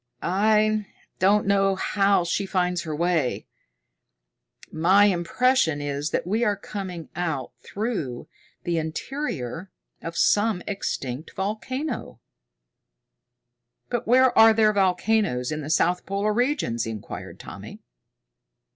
I don't know how she finds her way. My impression is that we are coming out through the interior of an extinct volcano." "But where are there volcanoes in the south polar regions?" inquired Tommy.